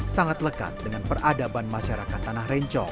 sangat lekat dengan peradaban masyarakat tanah rencong